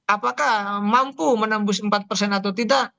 apakah mampu menembus empat persen atau tidak